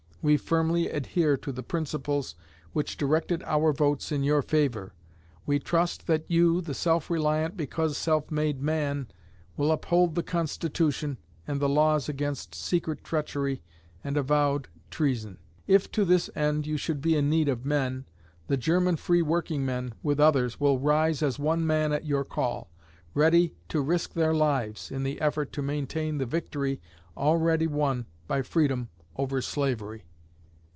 We firmly adhere to the principles which directed our votes in your favor. We trust that you, the self reliant because self made man, will uphold the Constitution and the laws against secret treachery and avowed treason_. If to this end you should be in need of men, the German free workingmen, with others, will rise as one man at your call, ready to risk their lives in the effort to maintain the victory already won by freedom over slavery.